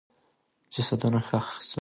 جسدونه ښخ سول.